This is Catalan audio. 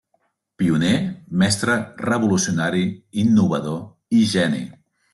Pioner, mestre, revolucionari, innovador i geni.